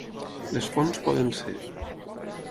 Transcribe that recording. Les fonts poden ser: